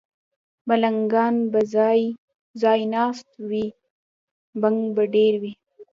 ملنګان به ځای، ځای ناست وي، بنګ به ډېر وي